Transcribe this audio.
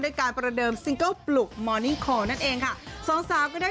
ด้วยการประเดิมซิงเกิลปลุกนั่นเองค่ะสองสาวก็ได้